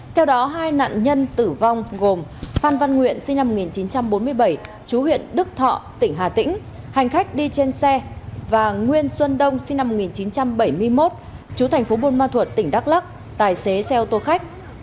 theo đó hai nạn nhân tử vong gồm phan văn nguyện sinh năm một nghìn chín trăm bốn mươi bảy chú huyện đức thọ tỉnh hà tĩnh hành khách đi trên xe và nguyên xuân đông sinh năm một nghìn chín trăm bảy mươi một chú thành phố buôn ma thuật tỉnh đắk lắc tài xế xe ô tô khách